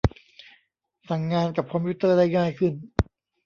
สั่งงานกับคอมพิวเตอร์ได้ง่ายขึ้น